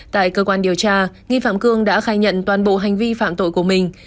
tại cơ quan điều tra nghi phạm cương đã khai nhận toàn bộ hành vi phạm tội của mình